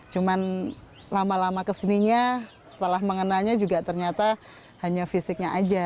cuma lama lama kesininya setelah mengenalnya juga ternyata hanya fisiknya aja